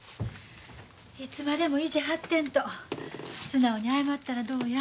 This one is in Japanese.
いつまでも意地張ってんと素直に謝ったらどうや？